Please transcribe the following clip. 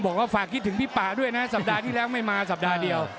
บอกว่าฝากคิดถึงพี่ป่าด้วยนะสัปดาห์ที่แล้วไม่มาสัปดาห์เดียว